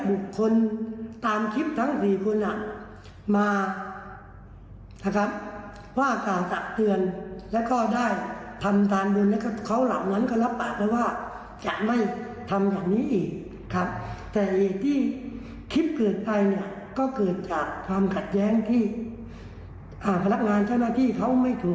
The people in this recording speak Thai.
วันนี้ก็ทำแบบนี้